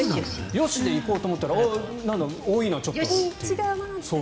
「よし！」で行こうと思ったらなんだ、多いなちょっとという。